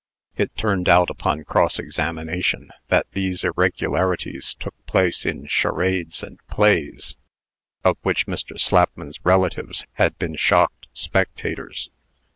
It turned out, upon cross examination, that these irregularities took place in charades and plays, of which Mr. Slapman's relatives had been shocked spectators.